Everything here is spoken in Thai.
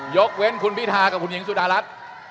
ยกเว้นคุณพิธากับคุณหญิงสุดารัฐ